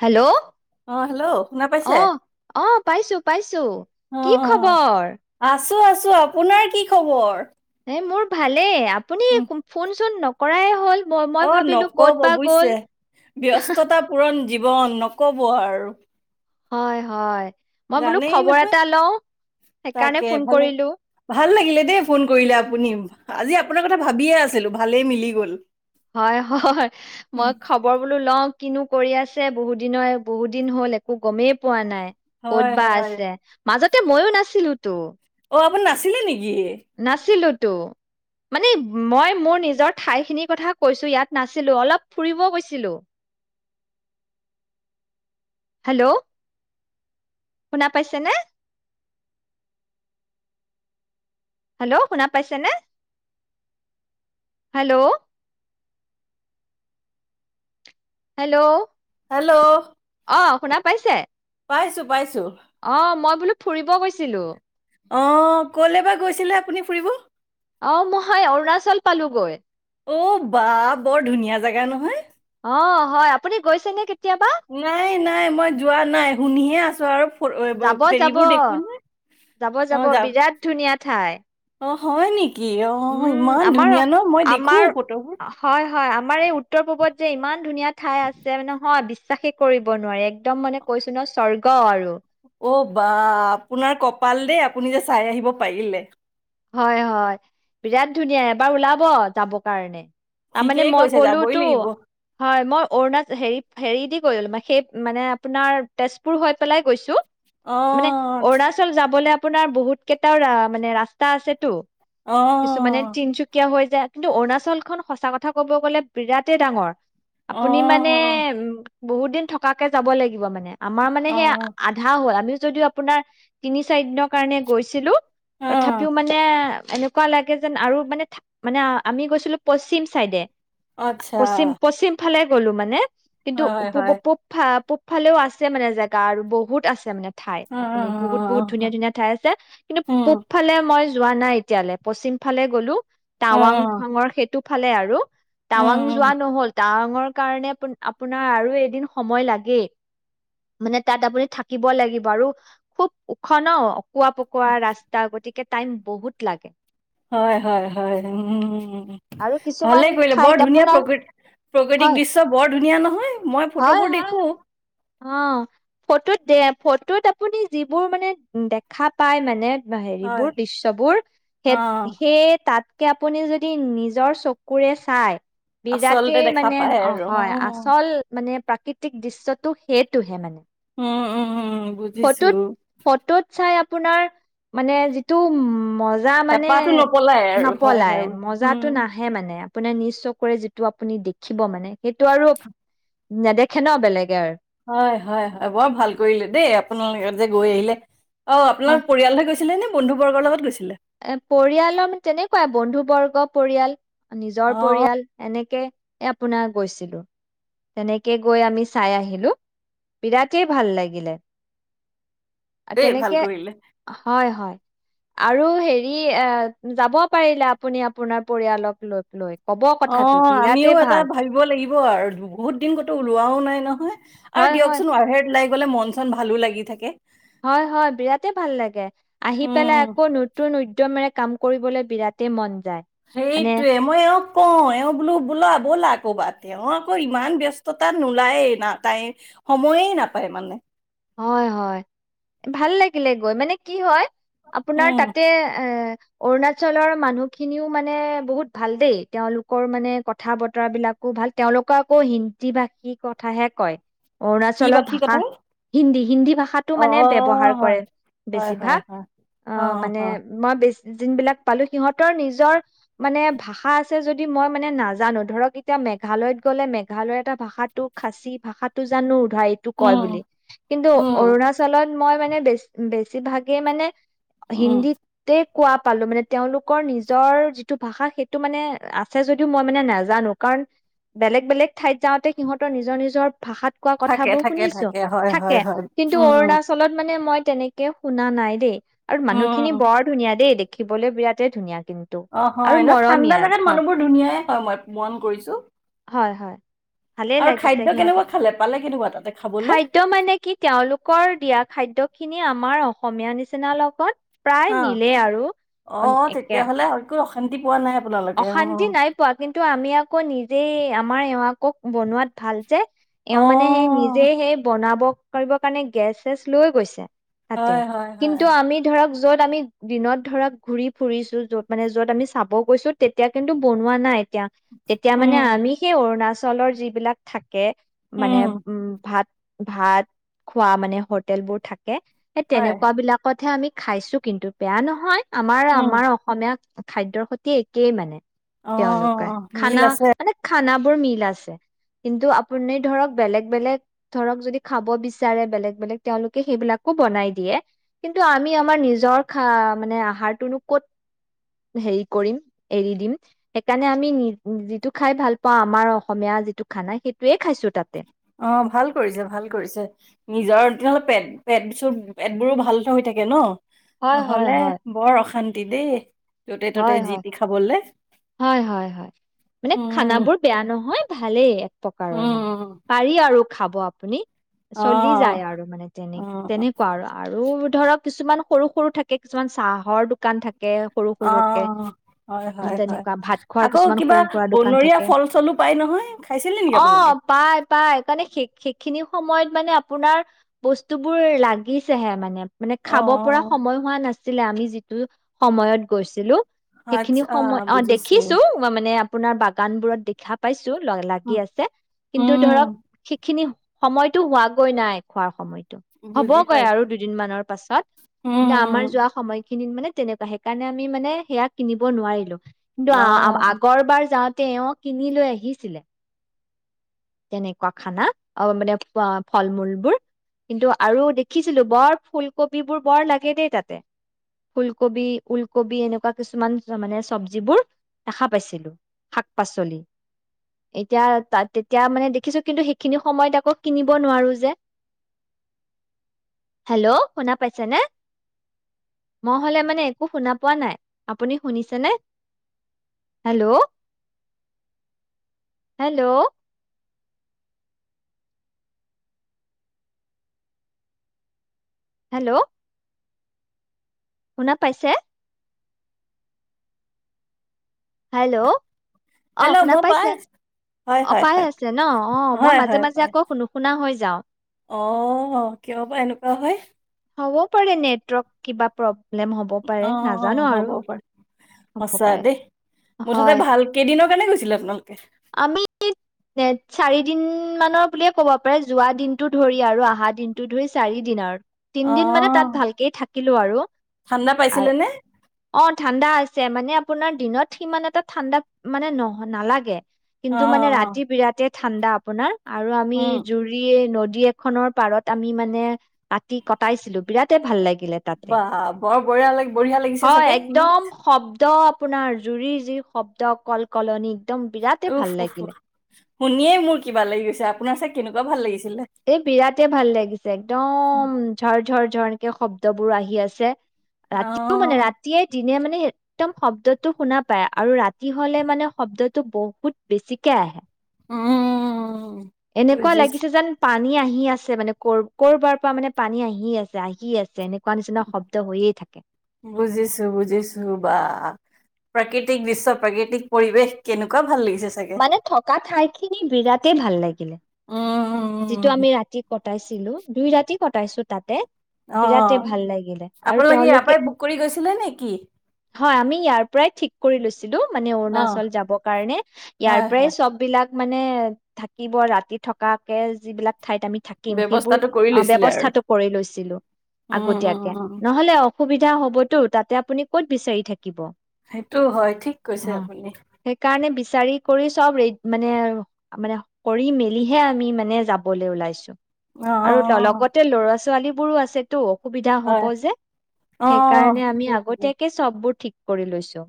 Hello অ hello শুনা পাইছে? অ অ পাইছো পাইছো অ কি খবৰ আছো আছো আপোনাৰ কি খবৰ মোৰ ভালেই আপুনি উম, ফোন চোন কৰাই হ'ল মই মই অ ভাবিলো ক'ত নকব বা গ'ল ৱুশ্যে ব্যস্ততা পূৰণ জীৱন নকব আৰু হয় হয় মই বোলো জানেই খবৰ নহয়। এটা লও সেইকাৰণে ফোন কৰিলো দ ফোন কৰিলে আপুনি আজি আপোনাৰ কথা ভাবিয়ে আছিলো ভালেই মিলি গল হয় হয় উম, মই খবৰ বোলো লওঁ কিনো কৰি আছে বহুত দিনৰ বহুত দিন হ'ল একো গমেই পোৱা নাই ক'ত হয় বা হয়। আছে মাজত এতিয়া মইও নাছিলো তো নছিলে নেকি নাছিলো মানে মই মোৰ নিজৰ ঠাইখিনিৰ কথা কৈছো ইয়াত নাছিলো অলপ ফুৰিব গৈছিলো হেল্ল' শুনা পাইছেনে হেল্ল' শোনা পাইছেনে হেল্ল' হেল্ল' হেল্ল' অ শুনা পাইছে পাইছো পাইছো। অ মই বোলো ফুৰিব গৈছিলো আহ ক'লৈ বাা গৈছিলে আপুনি ফুৰিব অ মই সেই অৰুণাচল পালোগৈ অ বা বৰ ধুনীয়া জেগা নহয় অ হয় আপুনি গৈছে নেকি নাই নাই মই যোৱা নাই শুনিহে আছো চৰ যাব যাব যাব অ যাব যাম বিৰাট ধুনীয়া ঠাই অ হয় নেকি অ উম ইমান আমাৰ ধুনীয়া ন মই দেখো আমাৰ ফটোবোৰ হয় হয় আমাৰ এই উত্তৰ পূ্বত যে ইমান ধুনীয়া ঠাই আছে মানে হয় বিচাখ এই কৰিব নোৱাৰে এক একদম মে কৈছো ন স্বগ ক আৰু অ বা আপোনাৰ কপাল দেই আপুনি যে চাই আহিব পাৰিলে হয় হয় বিৰাট ধুনীয়া এবাৰ ওলাব যাব কাৰণে তাৰ মানে ঠিকেই মই কৈছে যাবই গ'লোতো লাগিব হয় মই অৰুণাচল হেৰি হেৰি দি সেই মানে আপোনাৰ তেজপুৰ হৈ পেলাই গৈছো অ মানে আচ্ছা। অৰুণাচল যাবলে আপোনাৰ বহুত কেইটাও মানে ৰা তা আছেতো অ কিছুমানে তিনচুকীয়া হৈ কিন্তু অৰুণাচল খ সঁচা কথা কব গ'লে বিৰাটেই ডাঙৰ অ আপুনি মানে উ বহুত দিন থকাকে যাব লাগিব মানে আমাৰ মানে অ সেইয়া আধা হ'ল আমি যদি আপোনাৰ তিনি চাৰি দিনৰ কাৰণে গৈছিলো অ তথাপি কিছু মানে এনেকুৱা লাগে যেন আৰু মানে মানে আমি গৈছিলো পশ্চিম চাইডে আত্ছা সোফালে গ'লো মানে কিন্তু পুপ ইফালেও আছে মানে জেগা আৰু বহুত আছে মানে ঠাই অ আপুনি বহুত বহুত ধুনীয়া ধুনীয়া ঠাই আছে কিন্তু উম পূব মই যোৱা নাই এতিয়ালৈ পশ্চিম ফালে গ'লো টাৱাং উম ফাঙৰ খে টোফালে আৰু টাৱাং উম উম যোৱা নহ'ল তাং কাৰণে আপোনাৰ আৰু এদিন সময় লাগেই মানে তাত আপুনি থাকিব লাগিব আৰু খুব ওখ ন পোৱা পকোৱা ৰাস্তা গতিকে টাইম বহুত লাগে হয়, হয়, হয় উম, আৰু কিছুমান ভালে কৰিলে বৰ ঠাইত ধুনীয়া আপোনাৰ প্ৰকৃ- প্ৰকৃতিক হয় দৃশ্য বৰ ধুনীয়া ন' হয়, হয় অ', ফটোত দে ফটোত আপুনি যিবোৰ মানে দেখা পায় মানে হয়, হেৰিবোৰ দৃশ্ববোৰ অ সেই সেই তাত আপুনি যদি নিজৰ চকুৰে চাই আচলতে বিৰাটেই দেখা মানে পায় অ', আৰু হয় আচল মানে প্ৰাকৃতিক দৃশ্যটো সেইটোহে মানে। অ', অ', অ'। ফটোত, ফটোত চাই আপোনাৰ মানে যিটো উম মজা মানে হেঁপাহটো নপলাই আৰু হয় নপলাই হয় উম মজাটো নাহে মানে। আপোনে নিজ চকুৰে যিটো আপুনি দেখিব মানে সেইটো আৰু নেদেখে ন' বেলেগে আৰু হয়, হয়, হয় বৰ ভাল কৰিলে দেই আপোনালোকে যে গৈ আহিলে। অ', আপোনাৰ পৰিয়ালহে গৈছিলে নে বন্ধুবৰ্গৰ লগত গৈছ এ পৰিয়ালৰ মানে তেনেকুৱাই বন্ধু বৰ্গ পৰিয়াল। নিজৰ অ পৰিয়াল এনেকে আপোনাৰ গৈছিলো তেনেকে গৈ আমি চাই আহিলো বিৰাটেই ভাল লাগিলে। দেই ভাল তেনেকে কৰিলে হয়, হয়। আৰু হেৰি এ যাব পাৰিলে আপুনি আপোনাৰ পৰিয়ালক লৈ, লৈ। কব কথাটো অ', আমিও বিৰাটেই এটা ভাল ভাবিব লাগিব আৰু বহুত দিন ক'তো ওলোৱাও নাই নহয়। হয় আৰু হয় দিয়কচোন আৰু হে লাইক গ'লে মন চন ভালো লাগি থাকে। হয়, হয় বিৰাতে ভাল লাগে আহি উম পেলাই আকৌ নতুন উদ্যমেৰে কাম কৰিবলৈ বিৰাটে মন যায় মানে সেইটোযৱে মই এওঁক কওঁ এওঁ বোলো, বোলা ব'লা কৰ'বাত। অ', আকৌ ইমান ব্যস্ততাত নোলায়েই না তাই সময়ে নাপায় মানে। হয়, হয় ভাল লাগিলে গৈ মানে কি হয় আপোনাৰ উম তাতে এ অৰুণাচলৰ মানুহখিনিও মানে বহুত ভাল দেই তেওঁলোকৰ মানে কথা-বতৰা বিলাকো ভাল তেওঁলোকে আকৌ হিন্দী ভাষী কথাহে কয়। কি অৰুণাচলৰ বাকী ভাষা কথা হিন্দী হিন্দী ভাষাটো অ মানে ব্যৱহাৰ কৰে হয় হয় হয় বেছিভাগ হয়। অ অঁ মানে অ মই যোন বিলাক পালো সিহঁতৰ নিজৰ মানে ভাষা আছে যদি মই মানে নাজানো ধৰক এতিয়া মেঘালয়ত গ'লে মেঘালয় এটা ভাষাটো খাচী ভাষাটো জানো ভইজ কল এইটো কয় উম বুলি কিন্তু উম অৰুণাচলত মই মানে বে বেছিভাগেই মানে উম হিন্দী তে কোৱা পালো মানে তেওঁলোকৰ নিজৰ যিটো ভাষা সেইটো মানে আছে যদিও মই মানে নাজানো কাৰণ বেলেগ বেলেগ ঠাইত যাওঁতে সিহঁতৰ নিজৰ নিজৰ ভাষাত কোৱা থাকে কথাবোৰ থাকে শুনিছো থাকে হয় হয় থাকে হয় কিন্তু উম অৰুণাচলত মানে মানে মই তেনেকে শুনা নাই দেই আৰু মানুহখিনি উম বৰ ধুনীয়া দেই দে শিকিবলৈ বিৰাট ধুনীয়া কিন্তু অঁ আৰু হয় ন ঠাণ্ডা মৰমীয়াল জাগাত হয় মানুহবোৰ ধুনীয়াই হয় মই মন কৰিছোঁ হয় হয় ভালে লাগিছে সিহঁত কেনেকুৱা খালে পালে কেনেকুৱা তাতে খাবলৈ খাদ্য মানে কি তেওঁলোকৰ দিয়া খাদ্য খিনি আমাৰ অসমীয়া নিচিনা লগত প্ৰায় হা মিলে আৰু একে সি অশান্তি নাই পোৱা কিন্তু আমি আকৌ নি যে আমাৰ এৱাকক বনোৱাত ভাল যে এওঁ মানে সেই নিজে অ সেই বনাব কৰিব কাৰণে গেছ চেছ লৈ গৈছে তাতে হয়, হয়, হয়। কিন্তু আমি ধৰক য'ত আমি দিনত ধৰা ঘূৰি ফুৰিছো য'ত মানে য'ত আমি চাব গৈছো তেতিয়া কিন্তু বনোৱা নাই তেতিয়া মানে উম, আমি সেই অৰুণাচল ধৰণৰ যিবিলাক থাকে মানে উম, উম ভাত ভাত খোৱা মানে হোটেল বোৰ থাকে থাকে সেই হয়। তেনেকুৱা বিলাকতহে আমি খাইছো কিন্তু বেয়া নহয় আমাৰ উম, আমাৰ অসমীয়া খাদ্যৰ সৈতে কেই মানে অ', তেওঁলোকে অ', খানা মিল আছে মানে খানা মিল আছে কিন্তু আপুনি ধৰক বেলেগ বেলেগ ধৰক যদি খাব বিচাৰে বেলেগ বেলেগ তেওঁলোকে সেইবিলাকো বনাই দিয়ে কিন্তু আমি আমাৰ নিজৰ খা মানে আহাৰটোনো কত হেৰি কৰিম এৰি দিম সেইকাৰণে আমি যিটো খাই ভাল পাওঁ আমাৰ অসমীয়া যিটো খানা সেইটোয়ে খাইছো তাতে অ ভাল কৰিছে ভাল কৰিছে নিজৰ তেনেহলে পেট পেট চ পেটবোৰো ভাল হৈ থাকে ন হয় হয় নহলে হয় বৰ অশান্তি দিদদি যতে হয় ত'তেই হয় যিটি খাবলে হয় হয় হয় মানে উম, খানাবোৰ বেয়া নহয় ভালেই প্ৰকাৰৰ মানে উম, পাৰি আৰু খাব আপুনি অ', চলি যায় আৰু মানে তেনে অ', তেনেকুৱা আৰু আৰু ধৰক কিছুমান সৰু সৰু থাকে কিছুমান চাহৰ দোকান থাকে সৰু অ সৰুকে হয় হয় তেনেকুৱা ভাত খোৱাৰ আকৌ কিছুমান কিবা সৰু সুৰা দোকান বনৰীয়া থাকে ফল চলো পাই নহয় খাইছিল নেকি আপোনালোকে খিনি সময়ত মানে আপোনাৰ বস্তু বোৰ লাগিছেহে মানে মানে খাব পৰা অ', সময় হোৱা নাছিল আছিলে আমি যিটো সময়ত গৈছিলো সেইখিনি আচ্ছা সময় অ অ দেখিছো মানে আপোনাৰ বাগান বোৰত দেখা পাইছে লাগি আছে কিন্তু ধৰক উম, সেইখিনি সময়তো হোৱাগৈ নাই খোৱাৰ সময়ত বুজি হ'বগৈ পাইছো। আৰু দুদিন মানৰ পাছত কিন্তু আমাৰ উম, যোৱা সময় খিনি মানে তেনেকুৱা সেইকাৰণে আমি মানে সেয়া কিনিব নোৱাৰিলো কিন্তু অ', আগৰবাৰ যাওঁ তেওঁ কিনি লৈ আহিছিলে তেনেকুৱা খানা অ মানে ফল মূলবোৰ কিন্তু আৰু দেখিছিলো বৰ ফুলকবিবোৰ বৰ লাগে দেই তাতে ফুলকবি ওলকবি এনেকুৱা কিছুমান মানে চবজিবোৰ দেখা পাইছিলো শাক পাচলি এতিয়া ত এতিয়া মানে দেখিছো কিন্তু সেইখিনি সময়ত আকৌ কিনিব নোৱাৰো যে হেল্ল' শুনা পাইছেনে মই হলে মানে একো শুনা পোৱা নাই আপুনি শুনিছেনে হেল্ল' হেল্ল' হেল্ল' শুনা পাইছে হেল্ল' অ হেল্ল' শুনা মই পাই পাইছে অ পাই আছে ন অ মই হয় মাজে মাজে আকৌ নুশুনা হৈ যাও অ কিয় পায় এনেকুৱা হয় হ'বও পাৰে নেটৱৰ্ক কিবা প্ৰম অ অ হ'ব পাৰে হ'ব সচা পাৰে দেই মুঠতে হয় ভাল কেইদিনৰ কাৰণে গৈছ ছিল আপোনাক আমি নে চাৰি দিন মানৰ বুলিয়ে ক'ব পাৰে যোৱা দিনটোো ধৰি আৰু অহা দিনটো ধৰি চাৰি দিনৰ তিনদিন মানে তাত অ', ভালকেই থাকে শিকিলো আৰু ঠাণ্ডা পাইছিলে নে? অ ঠাণ্ডা আছে মানে আপোনাৰ দিনত সিমান এটা ঠাণ্ডা মানে নহ নালাগে অ তাতে ঠাণ্ডা আপোনাৰ আৰু আমি উম, জুৰি নদী এখনৰ পাৰত আমি মানে কতিি কটাইছিলো বিৰাট ভাল লাগিল বা বৰ বঢ়িয়া ল বঢ়িয়া লাগিছে চাগেম শ্দ আপোনাৰ জুৰি যি শব্দ কলকলনিক একদম বিৰাটেই ভাল লাগিলে শুনিয়েই মোৰ কিবা লাগি গৈছে আপোনাৰ চাগ কেনেকুৱা ভাল লাগিছে এই বিৰাট ভাল লাগিছে উম, একদম ঝৰ ঝৰ ধৰণকে শব্দবোৰ আহি আছে ৰাতিও মানে অ', ৰাতিয়ে দিনে মানে মানে একদম শব্দটো শুনা পাই আৰু ৰাতি হলে মানে শব্দতটো বহুত বেছিকে আহে উম এনেকুৱা বুজিছো, লাগিছে যেন পান পানী আহি আছে মানে কৰ'বাৰ পৰা মানে পানী আহি আছে আহি আছে এনে বুজিছো বুজিছো বা প্ৰাকৃতিক দৃশ্য প্ৰাকৃতিক পৰিৱেশ কেনেকুৱা ভাল লাগছে মানে থকা ঠাই খিনি বিৰাটেই ভাল লাগিলে যিটো উম আমি ৰাতি ক কটাইছিলো দুই ৰাতি কটাইছো তাতে অ বিৰাটেই ভাল লাগিলে আৰু আপোনালোকে ইয়াৰ তেওঁলোকে পৰাই বুক কৰি গৈছিলে নেকি হয় আমি ইয়াৰ পৰাই ঠিক কৰি লৈছো ছিলো মানে অ অৰুণাচল যাবৰ কাৰণে ইয়াৰ হয় পৰাই হয় সবলাক িলাক মানে থাকিব ৰাতি থকাকে যিবিলাক ঠাইত আমি থাকিম সেইবোৰ ব্যৱস্থাটো কৰি লৈছিলে আৰু ব্যয়স্থাটো কৰি লৈছিলো উম উম আগতিয়াকে উম নহ'লে অসুবিধা হ' হ'বটো তাতে আপুনি ক'ত বিচাৰি থাকিব। সেইটো হয় ঠিক কৈছে আপুনি। চাৰি কৰি চব ৰে মানে, মানে কৰি মেলিহে আমি মানে যাবলৈ ওলাইছো। অ অ আৰু অ, লগতে ল'ৰাছ ছোৱালীবোৰো আছে টো। অসুবিধা হয় হ'ব যে অ সেইকাৰণে আমি ঠিকে ঠিকে আগতীয়াকে চববোৰ ঠিক কৰি লৈছো।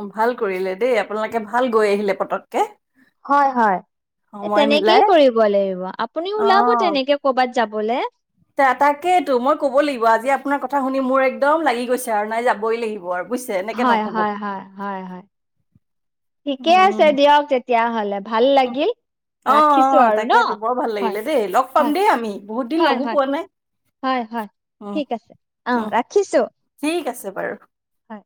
অ', ভাল কৰিলে দেই আপোনালোকে ভাল গৈ আহিলে পতককে। হয়, হয় সময় তেনেকেই মিলাই কৰিব লাগিব আপুনি ওলাব তেনেকে ক'বাত যাবলে। এ তাকেইটো মই ক'ব লাগিব আজি আপোনাৰ কথা শুনি মোৰ একদম লাগি গৈছে আৰু নাই যাবই লাগি হয়, হয়, হয়, হয়, হয়, ঠিকে উম আছে দিয়ক তেতিয়া হ'লে উম, অ', অ', ন তাকেইটো বৰ ভাল হয় লাগিলে দেই লগ পাম হয় দেই, আমি বহুত দিন হয় লগো হয় পোৱা নাই হয় হয় উম, ঠিক আছে অ উম, ৰাখিছো ঠিক আছে। হয়। হয়।